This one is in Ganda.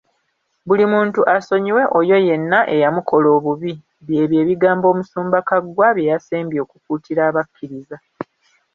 "Buli muntu asonyiwe oyo yenna eyamukola obubi", byebyo ebigambo Omusumba Kaggwa byeyasembye okukuutira abakkiriza.